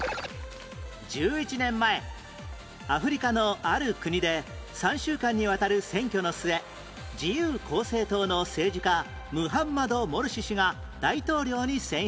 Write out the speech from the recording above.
１１年前アフリカのある国で３週間にわたる選挙の末自由公正党の政治家ムハンマド・モルシ氏が大統領に選出